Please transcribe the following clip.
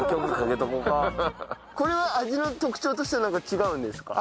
これは味の特徴としてはなんか違うんですか？